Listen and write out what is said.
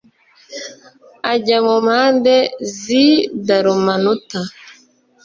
ajya mu mpande z i Dalumanuta